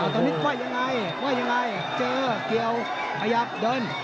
ตอนนี้ว่ายังไงว่ายังไงเจอเกี่ยวขยับเดิน